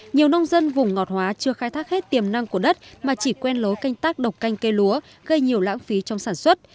nhiều nông dân vùng ngọt hóa chưa khai thác hết tiềm năng của đất mà chỉ quen lối canh tác độc canh cây lúa gây nhiều lãng phí trong sản xuất